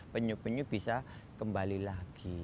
penyu penyu bisa kembali lagi